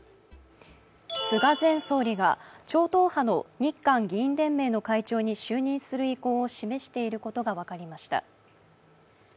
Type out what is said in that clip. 菅前総理が超党派の日韓議員連盟の会長に就任する意向を示していることが分かりました。